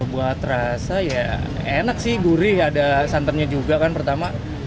buat rasa ya enak sih gurih ada santannya juga kan pertama